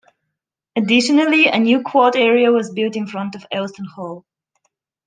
Additionally, a new quad area was built in front of Elston Hall.